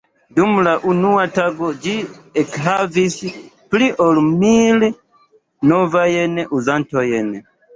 Dum la unua tago ĝi ekhavis pli ol mil novajn uzantojn.